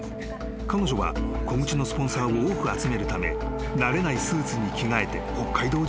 ［彼女は小口のスポンサーを多く集めるため慣れないスーツに着替えて北海道中を奔走］